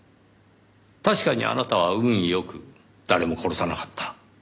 確かにあなたは運良く誰も殺さなかった。